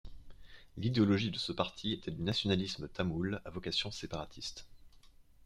L'idéologie de ce parti était du nationalisme tamoul, à vocation séparatiste.